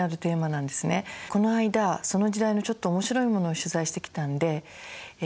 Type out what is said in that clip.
この間その時代のちょっと面白いものを取材してきたんでえ